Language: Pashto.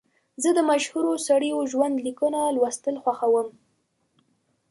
زه د مشهورو سړیو ژوند لیکونه لوستل خوښوم.